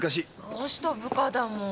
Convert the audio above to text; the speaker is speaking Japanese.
上司と部下だもん。